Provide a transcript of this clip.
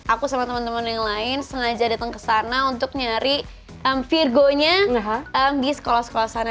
aku sama temen temen yang lain sengaja dateng kesana untuk nyari virgo nya di sekolah sekolah sana